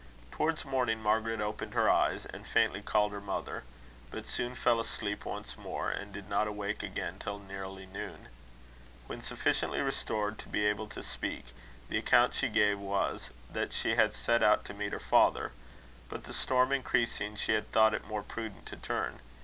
Towards morning Margaret opened her eyes, and faintly called her mother; but soon fell asleep once more, and did not awake again till nearly noon. When sufficiently restored to be able to speak, the account she gave was, that she had set out to meet her father; but the storm increasing, she had thought it more prudent to turn.